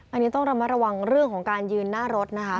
อันนี้ต้องระมัดระวังเรื่องของการยืนหน้ารถนะคะ